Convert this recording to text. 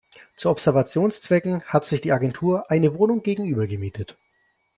Zu Observationszwecken hat sich die Agentur eine Wohnung gegenüber gemietet.